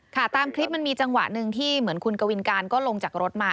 ตามคลิปมันมีจังหวะหนึ่งที่เหมือนคุณกวินการก็ลงจากรถมา